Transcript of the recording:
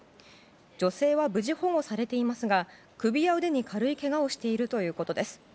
女性は無事保護されていますが首や腕に軽いけがをしているということです。